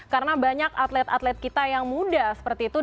karena banyak atlet atlet kita yang muda seperti itu